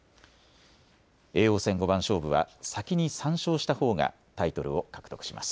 叡王戦五番勝負は先に３勝したほうがタイトルを獲得します。